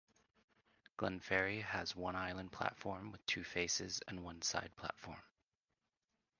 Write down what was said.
Glenferrie has one island platform with two faces and one side platform.